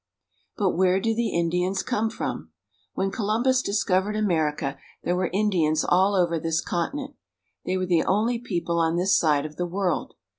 But where do the Indians come from? When Colum bus discovered America there were Indians all over this continent. They were the only people on this side of the world.